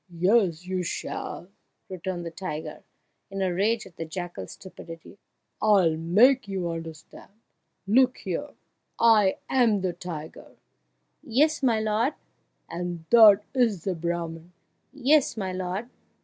"Yes, you shall!" returned the tiger, in a rage at the jackal's stupidity; "I'll make you understand! Look here I am the tiger " "Yes, my lord!" "And that is the Brahman " "Yes, my lord!"